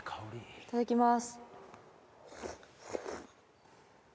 いただきます。